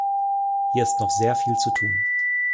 Hier ist noch sehr viel zu tun!